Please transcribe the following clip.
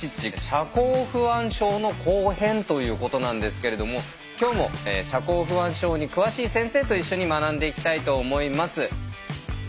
社交不安症の後編ということなんですけれども今日も社交不安症に詳しい先生と一緒に学んでいきたいと思います。